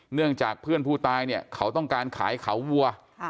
เนื่องจากเพื่อนผู้ตายเนี่ยเขาต้องการขายเขาวัว